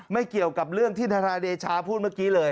เกี่ยวกับเรื่องที่ธนายเดชาพูดเมื่อกี้เลย